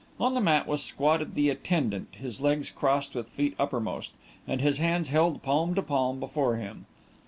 On the mat was squatted the attendant, his legs crossed with feet uppermost, and his hands held palm to palm before him.